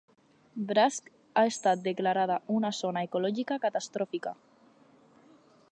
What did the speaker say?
Bratsk ha estat declarada una zona ecològica catastròfica.